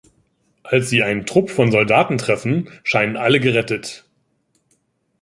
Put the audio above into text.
Als sie einen Trupp von Soldaten treffen, scheinen alle gerettet.